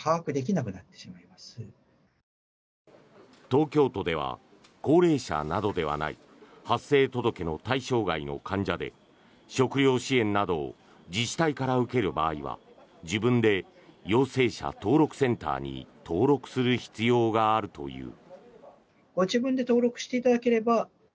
東京都では高齢者などではない発生届の対象外の患者で食料支援などを自治体から受ける場合は自分で陽性者登録センターに登録する必要があるという。